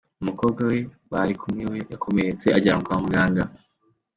Umukobwa we bari kumwe we yakomeretse ajyanwa kwa muganga.